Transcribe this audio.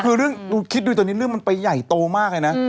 คือเรื่องคิดดูตอนนี้เรื่องมันไปใหญ่โตมากเลยนะ